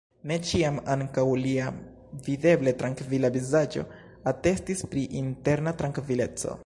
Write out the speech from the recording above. Ne ĉiam ankaŭ lia videble trankvila vizaĝo atestis pri interna trankvileco.